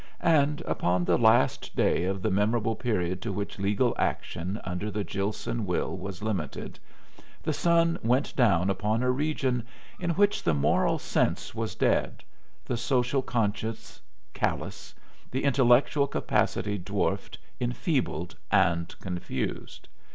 And upon the last day of the memorable period to which legal action under the Gilson will was limited, the sun went down upon a region in which the moral sense was dead, the social conscience callous, the intellectual capacity dwarfed, enfeebled, and confused!